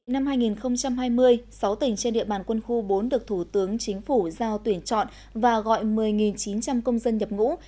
năm hai nghìn hai mươi sáu tỉnh trên địa bàn quân khu bốn được thủ tướng chính phủ giao tuyển chọn và gọi một mươi chín trăm linh công dân nhập ngũ